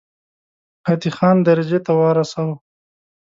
عادي خان درجې ته ورساوه.